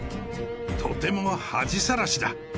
とても恥さらしだ。